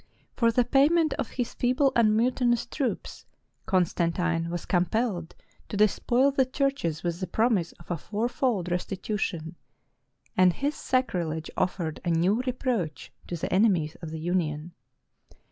For the payment of his feeble and mutinous troops, Constantine was com pelled to despoil the churches with the promise of a four fold restitution ; and his sacrilege offered a new reproach to the enemies of the union.